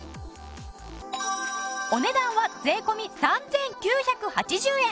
お値段は税込３９８０円。